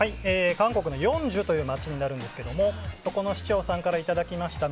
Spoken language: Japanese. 韓国のヨンジュという街になるんですけどそこの市長さんからいただきました